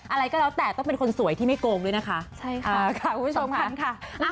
อะไรก็แล้วแต่ต้องเป็นคนสวยที่ไม่โกงด้วยนะคะใช่ค่ะค่ะคุณผู้ชมค่ะ